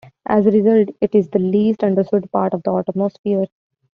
As a result, it is the least-understood part of the atmosphere.